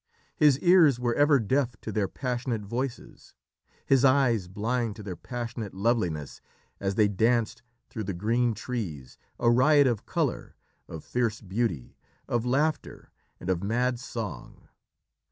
His ears were ever deaf to their passionate voices, his eyes blind to their passionate loveliness as they danced through the green trees, a riot of colour, of fierce beauty, of laughter and of mad song.